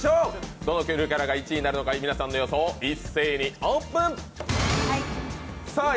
どのゆるキャラが１位になるのか、皆さんの予想を一斉にオープン。